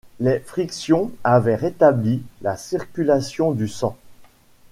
Les frictions avaient rétabli la circulation du sang